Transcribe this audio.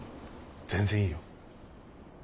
全然いいよ。